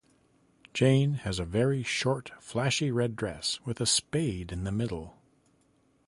Jayne has a very short flashy red dress with a spade in the middle.